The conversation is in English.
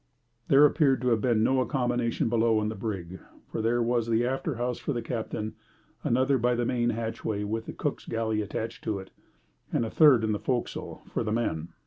There appeared to have been no accommodation below in the brig, for there was the after house for the captain, another by the main hatchway, with the cook's galley attached to it, and a third in the forecastle for the men.